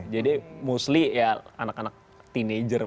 jadi mostly ya anak anak teenager